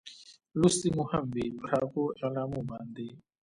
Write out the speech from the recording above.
لوستې مو هم وې، پر هغو اعلامیو باندې.